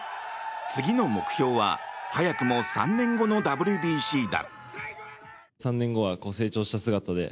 次の目標は早くも３年後のＷＢＣだ。